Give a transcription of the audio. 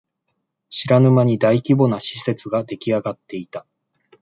知らぬ間に大規模な施設ができあがっていた